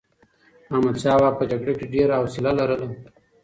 احمدشاه بابا په جګړه کې ډېر حوصله لرله.